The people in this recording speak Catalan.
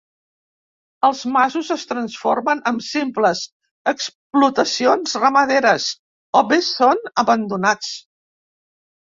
Els masos es transformen en simples explotacions ramaderes o bé són abandonats.